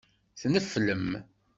Tneflem.